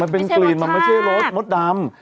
เป็นกลิ่นมันไม่ใช่รสมดดำ